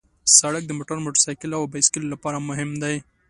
سړک د موټر، موټرسایکل او بایسکل لپاره مهم دی.